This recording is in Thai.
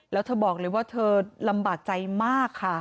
แล้วเธอบอกเลยว่าเธอลำบากใจมากค่ะ